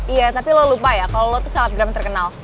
iya tapi lo lupa ya kalau lo tuh selebgram terkenal